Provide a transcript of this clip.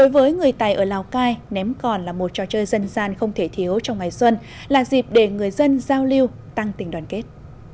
với người tài ở lào cai ném còn là một trò chơi dân gian không thể thiếu trong ngày xuân là dịp để người dân giao lưu tăng tình đoàn kết